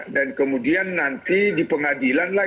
dan kemudian nanti di pengadilan lah